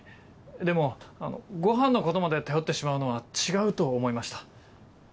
でもごはんのことまで頼ってしまうのは違うと思いました。